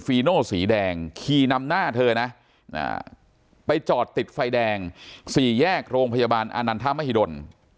โน่สีแดงขี่นำหน้าเธอนะไปจอดติดไฟแดง๔แยกโรงพยาบาลอานันทมหิดล